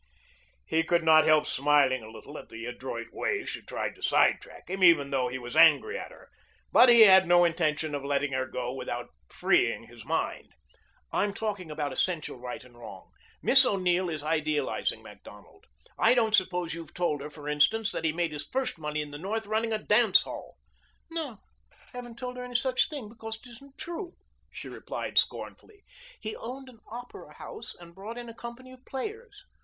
He could not help smiling a little at the adroit way she tried to sidetrack him, even though he was angry at her. But he had no intention of letting her go without freeing his mind. "I'm talking about essential right and wrong. Miss O'Neill is idealizing Macdonald. I don't suppose you've told her, for instance, that he made his first money in the North running a dance hall." "No, I haven't told her any such thing, because it isn't true," she replied scornfully. "He owned an opera house and brought in a company of players.